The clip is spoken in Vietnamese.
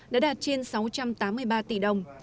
đã đạt trên sáu trăm tám mươi ba tỷ đồng